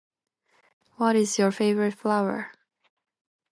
What is your favorite flower?